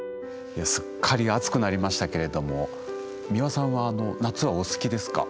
いやすっかり暑くなりましたけれども美輪さんは夏はお好きですか？